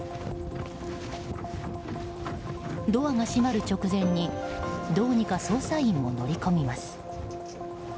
ドアが閉まる直前にどうにか捜査員も乗り込みます。